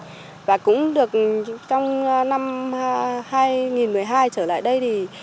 huyện cũng được trong năm hai nghìn một mươi hai trở lại đây